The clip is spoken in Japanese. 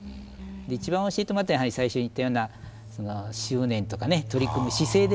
一番教えてもらったのはやはり最初に言ったような執念とかね取り組む姿勢ですかね。